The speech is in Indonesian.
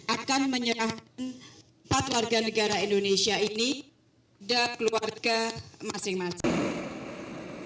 akan menyerahkan empat warga negara indonesia ini dan keluarga masing masing